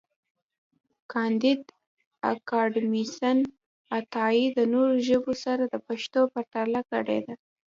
کانديد اکاډميسن عطایي د نورو ژبو سره د پښتو پرتله کړې ده.